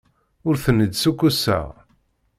Ur ten-id-ssukkuseɣ.